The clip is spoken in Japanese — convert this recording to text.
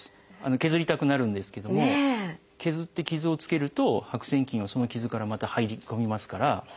削りたくなるんですけども削って傷をつけると白癬菌がその傷からまた入り込みますから。